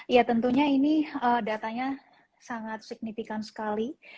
ya tentunya ini datanya sangat signifikan sekali